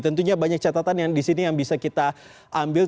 tentunya banyak catatan yang di sini yang bisa kita ambil